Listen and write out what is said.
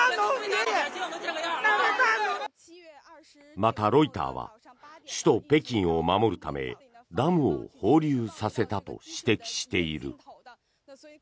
また、ロイターは首都・北京を守るためダムを放流させたと指摘している。